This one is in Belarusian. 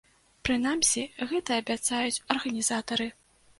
Прынамсі, гэта абяцаюць арганізатары.